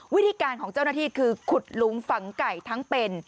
วิธีการของเจ้าหน้าที่คือขุดหลุมฝังไก่ทั้งเป็น